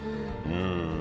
うん。